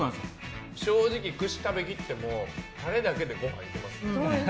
正直、串を食べきってもタレだけで、ご飯いけますね。